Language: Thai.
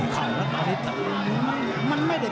ต้องถามสัจใจน้อย